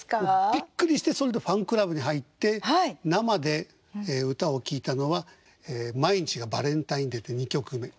びっくりしてそれでファンクラブに入って生で歌を聴いたのは「毎日がバレンタイン」って２曲目。